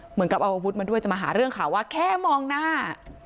เหมือนกับเอาอาวุธมาด้วยจะมาหาเรื่องข่าวว่าแค่มองหน้า